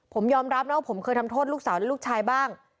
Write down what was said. ผมยอมรับนะว่าผมเคยทำโทษลูกสาวและลูกชายบ้าง